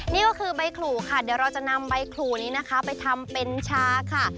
นี่ก็คือใบขู่ค่ะเดี๋ยวเราจะนำใบขู่นี้นะคะไปทำเป็นชาค่ะ